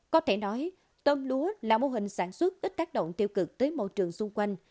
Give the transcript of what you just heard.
có thể nói tôm lúa là mô hình sản xuất ít tác động tiêu cực tới môi trường xung quanh